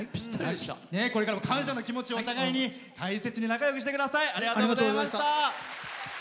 これから感謝の気持ちを大切に仲よくしてください。